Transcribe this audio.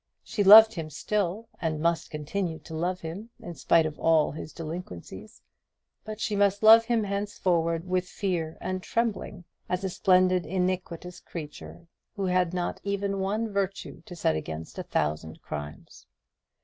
She loved him still, and must continue to love him, in spite of all his delinquencies; but she must love him henceforward with fear and trembling, as a splendid iniquitous creature, who had not even one virtue to set against a thousand crimes.